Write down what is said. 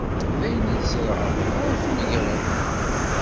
D ayen i tzerεeḍ ara tmegreḍ.